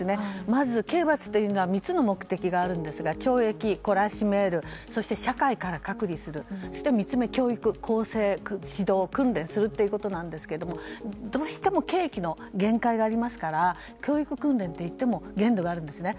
まず刑罰には３つの目的があるんですが懲役、懲らしめる社会から隔離する３つ目は教育、更生、指導訓練するということですがどうしても刑期の限界がありますから教育訓練といっても限度があるんですね。